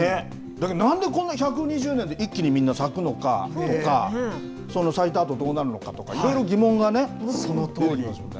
なんでこんな１２０年で一気にみんな咲くのかとか、その咲いたあとどうなるのかとか、いろいろ疑問が出てきますよね。